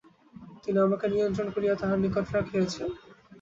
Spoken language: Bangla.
তিনি আমাকে নিমন্ত্রণ করিয়া তাঁহার নিকট রাখিয়াছেন।